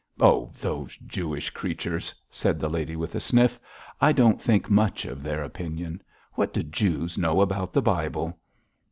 'Oh, those Jewish creatures!' said the lady, with a sniff. 'I don't think much of their opinion. What do Jews know about the Bible?'